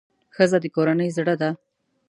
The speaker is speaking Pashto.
ښځه د کورنۍ زړه ده.